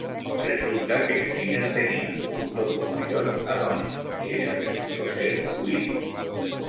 Resulta que Skinner tenía un topo mayor a Donny, y ese resultó ser Willie.